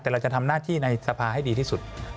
แต่เราจะทำหน้าที่ในสภาให้ดีที่สุด